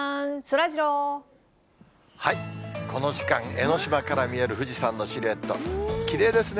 江の島から見える富士山のシルエット、きれいですね。